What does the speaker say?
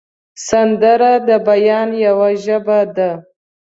سندره د بیان یوه ژبه ده